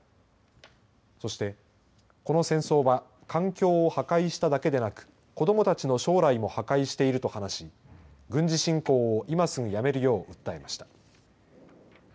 そしてこの戦争は環境を破壊しただけでなく子どもたちの将来も破壊していると話し、軍事侵攻を今すぐやめるよう訴えました。